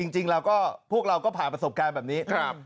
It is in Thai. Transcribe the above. จริงแล้วก็พวกเราก็ผ่านประสบการณ์แบบนี้